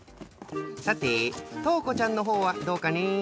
さてとうこちゃんのほうはどうかね？